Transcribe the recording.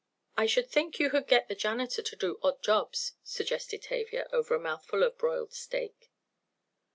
"I should think you could get the janitor to do odd jobs," suggested Tavia, over a mouthful of broiled steak.